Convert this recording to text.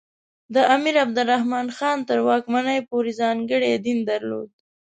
د امیر عبدالرحمان خان تر واکمنۍ پورې ځانګړی دین درلود.